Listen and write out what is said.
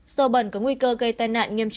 sâu bẩn có nguy cơ gây tai nạn nghiêm trọng